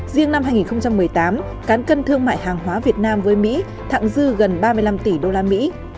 riêng năm hai nghìn một mươi tám cán cân thương mại hàng hóa việt nam với mỹ thẳng dư gần ba mươi năm tỷ usd